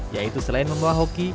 yaitu selain membawa hoki